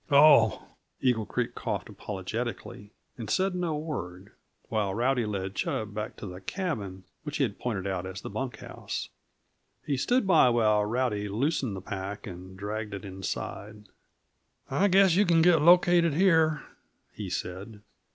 "Oh!" Eagle Creek coughed apologetically, and said no word, while Rowdy led Chub back to the cabin which he had pointed out as the bunk house; he stood by while Rowdy loosened the pack and dragged it inside. "I guess you can get located here," he said.